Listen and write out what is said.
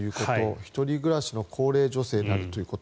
１人暮らしの高齢女性であるということ。